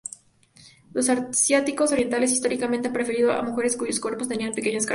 Los asiáticos orientales históricamente han preferido a mujeres cuyos cuerpos tenían pequeñas características.